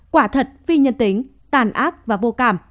quả thật phi nhân tính tàn ác và vô cảm